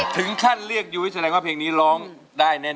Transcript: ถึงขั้นเรียกยุ้ยแสดงว่าเพลงนี้ร้องได้แน่